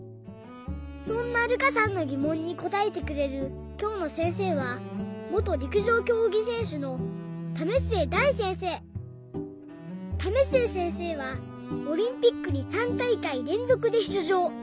そんなるかさんのぎもんにこたえてくれるきょうのせんせいは為末せんせいはオリンピックに３たいかいれんぞくでしゅつじょう。